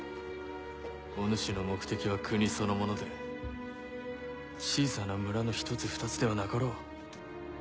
お主の目的は国そのもので小さな村の１つ２つではなかろう。